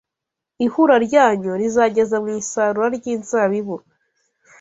Ihura ryanyu rizageza mu isarura ry’inzabibu,